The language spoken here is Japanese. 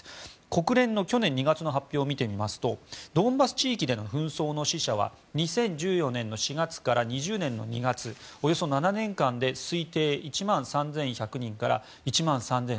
国連の去年２月の発表を見てみますとドンバス地域での紛争の死者は２０１４年の４月から２０年の２月のおよそ７年間で推定１万３１００人から１万３３００人。